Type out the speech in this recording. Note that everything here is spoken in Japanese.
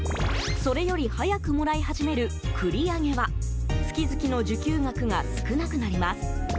それより早くもらい始める繰り上げは月々の受給額が少なくなります。